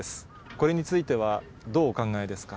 これについては、どうお考えですか。